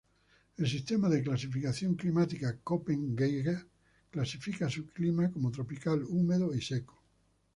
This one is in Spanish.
El sistema de clasificación climática Köppen-Geiger clasifica su clima como tropical húmedo y seco.